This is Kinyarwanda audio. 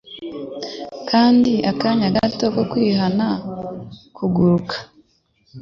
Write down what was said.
Kandi akanya gato ko kwihana kuguruka